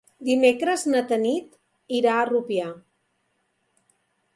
Dimecres na Tanit irà a Rupià.